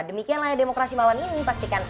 demikianlah demokrasi malam ini pastikan